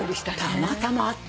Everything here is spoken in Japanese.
たまたま会った。